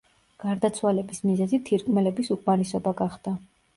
გარდაცვალების მიზეზი თირკმელების უკმარისობა გახდა.